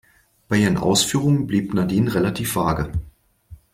Bei ihren Ausführungen blieb Nadine relativ vage.